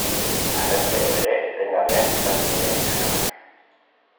Harrezkero ere etengabeak izan ziren liskarrak.